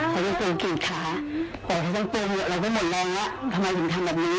ว่ามีไม่พอกรีกขาพวงถึงละครูแล้วก็หมดแล้ว